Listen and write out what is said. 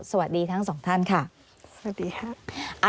สวัสดีทั้งสองท่านค่ะสวัสดีค่ะ